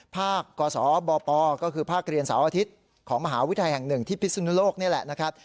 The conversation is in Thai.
ภาคกศบปก็คือภาคเรียนเสาร์อาทิตย์ของมหาวิทยาลัยแห่งหนึ่งที่พิศนุโลกนี่แหละนะครับ